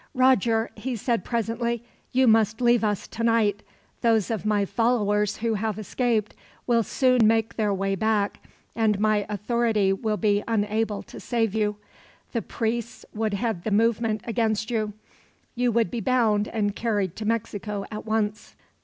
"Roger," he said presently, "you must leave us, tonight. Those of my followers who have escaped will soon make their way back, and my authority will be unable to save you. The priests would head the movement against you. You would be bound and carried to Mexico, at once.